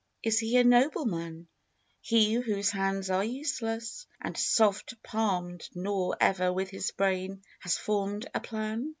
Is he a nobleman He whose hands are useless, And soft palmed Nor ever with his brain Has formed a plan?